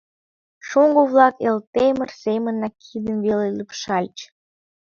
Шоҥго-влак Элтемыр семынак кидым веле лупшальыч.